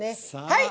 はい！